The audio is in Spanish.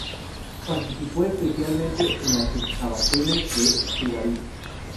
Participó especialmente en las excavaciones de Ugarit.